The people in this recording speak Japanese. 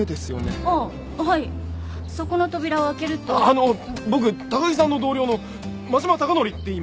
あの僕高木さんの同僚の真島孝則っていいます。